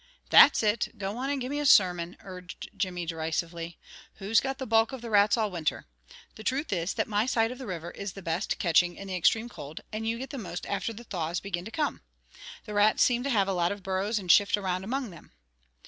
"That's it! Go on and give me a sarmon!" urged Jimmy derisively. "Who's got the bulk of the rats all winter? The truth is that my side of the river is the best catching in the extrame cold, and you get the most after the thaws begin to come. The rats seem to have a lot of burrows and shift around among thim.